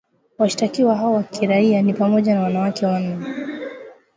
Washtakiwa hao wa kiraia ni pamoja na wanawake wanne